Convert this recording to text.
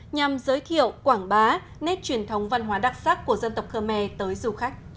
nhằm giới thiệu quảng bá nét truyền thống văn hóa đặc sắc của dân tộc khmer tới du khách